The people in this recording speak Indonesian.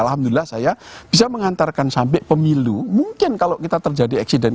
alhamdulillah saya bisa mengantarkan sampai pemilu mungkin kalau kita terjadi eksiden